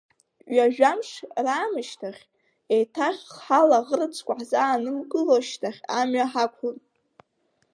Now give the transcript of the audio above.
Ҩажәамш раамышьҭахь, еиҭах ҳалаӷырӡқәа ҳзаанымкыло шьҭахьҟа амҩа ҳақәлон.